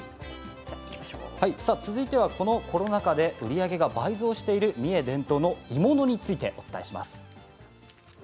続いては、このコロナ禍で売り上げが倍増している三重伝統の鋳物についてお伝えします。